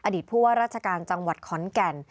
ผู้ว่าราชการจังหวัดขอนแก่น